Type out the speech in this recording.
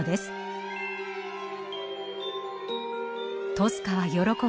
トスカは喜び